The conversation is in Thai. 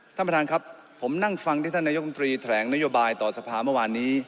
ท่านประธานครับผมนั่งฟังที่ท่านนายกรรมตรีแถลงนโยบายต่อสภาเมื่อวานนี้